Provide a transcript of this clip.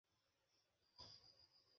এটা কোন সাল?